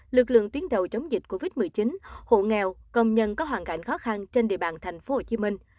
lực lượng tiến đầu chống dịch covid một mươi chín hộ nghèo công nhân có hoàn cảnh khó khăn trên địa bàn thành phố hồ chí minh